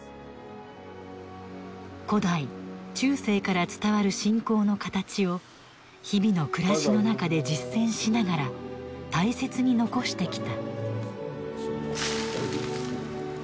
古代中世から伝わる信仰のかたちを日々のくらしの中で実践しながら大切に残してきた。